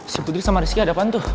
si budi sama rizky ada apaan tuh